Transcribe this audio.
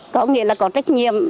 có nghĩa là có trách nhiệm